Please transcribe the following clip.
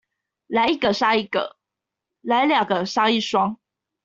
來一個殺一個、來兩個殺一雙